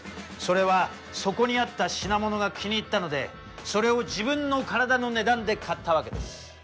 それはそこにあった品物が気に入ったのでそれを自分の体の値段で買ったわけです。